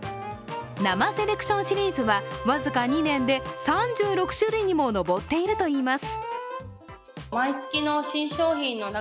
生セレクションシリーズは僅か２年で３６種類にも上っているといいます。